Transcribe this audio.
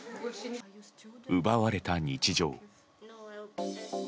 奪われた日常。